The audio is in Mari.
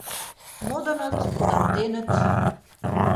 Модыныт — кудалтеныт.